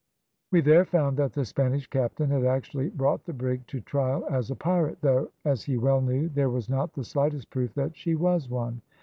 We there found that the Spanish captain had actually brought the brig to trial as a pirate, though, as he well knew, there was not the slightest proof that she was one.